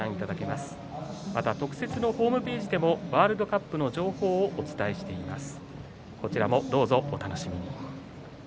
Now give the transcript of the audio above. また特設のホームページでもワールドカップの情報をお伝えしています。